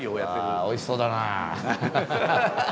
うわおいしそうだな！